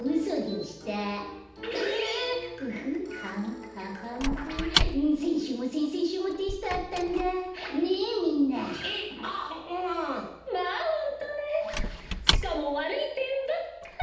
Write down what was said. しかもわるいてんばっかり。